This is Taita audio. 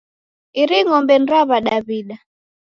Iri ng'ombe ni ra W'adaw'ida?